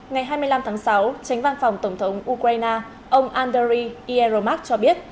ngày hai mươi năm tháng sáu tránh văn phòng tổng thống ukraine ông andriy euromark cho biết